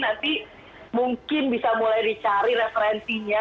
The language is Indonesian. nanti mungkin bisa mulai dicari referensinya